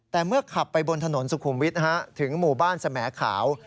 แต่เมื่อขับไปบนถนนสุขุมวิทย์ถึงหมู่บ้านสมขาว